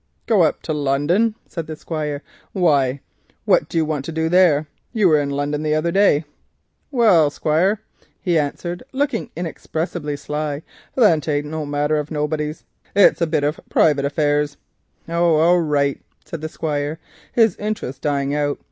"Go up to London!" said the Squire; "why what are you going to do there? You were in London the other day." "Well, Squire," he answered, looking inexpressibly sly, "that ain't no matter of nobody's. It's a bit of private affairs." "Oh, all right," said the Squire, his interest dying out.